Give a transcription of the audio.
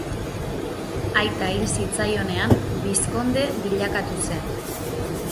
Aita hil zitzaionean, bizkonde bilakatu zen.